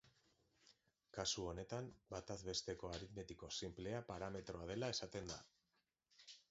Kasu honetan, batezbesteko aritmetiko sinplea parametroa dela esaten da.